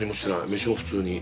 飯も普通に。